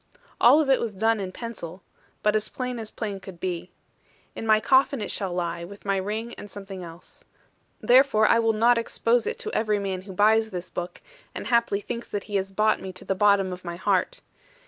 All of it was done in pencil; but as plain as plain could be. In my coffin it shall lie, with my ring and something else. Therefore will I not expose it to every man who buys this book, and haply thinks that he has bought me to the bottom of my heart.